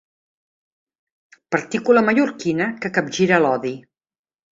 Partícula mallorquina que capgira l'odi.